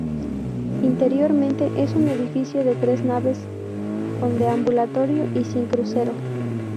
Interiormente es un edificio de tres naves, con deambulatorio y sin crucero.